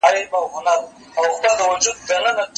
د دې قوم نصیب یې کښلی پر مجمر دی